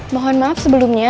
mohon maaf sebelumnya